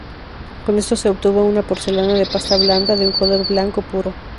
Con esto se obtuvo una porcelana de pasta blanda de un color blanco puro.